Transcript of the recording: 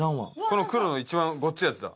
この黒の一番ごっついやつだ。